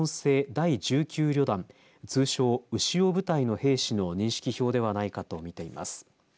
第１９旅団通称、潮部隊の兵士の認識票ではないかと見ています。